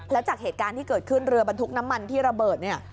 แล้วจากเหตุการณ์ที่เกิดขึ้นเรือบรรทุกน้ำมันที่ระเบิดเนี่ย